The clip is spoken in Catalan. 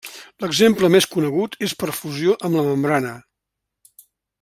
L'exemple més conegut és per fusió amb la membrana.